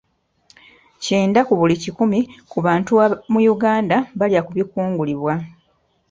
Kyenda ku buli kikumu ku bantu mu Uganda balya ku bikungulibwa.